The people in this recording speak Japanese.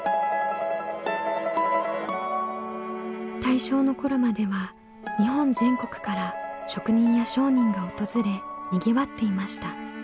大正の頃までは日本全国から職人や商人が訪れにぎわっていました。